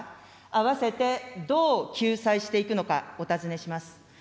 併せてどう救済していくのか、お尋ねします。